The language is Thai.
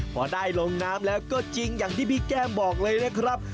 พอได้ลงน้ำแล้วก็จริงอย่างที่พี่แก้มบอกเลยนะครับ